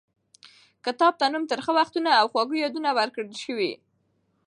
کتاب ته نوم ترخه وختونه او خواږه یادونه ورکړل شوی.